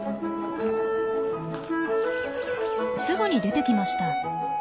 すぐに出てきました。